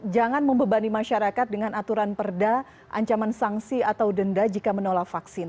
jangan membebani masyarakat dengan aturan perda ancaman sanksi atau denda jika menolak vaksin